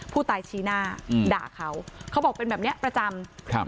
ชี้หน้าอืมด่าเขาเขาบอกเป็นแบบเนี้ยประจำครับ